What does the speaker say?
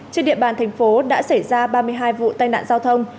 trên địa bàn thành phố đã xảy ra ba mươi hai vụ tai nạn giao thông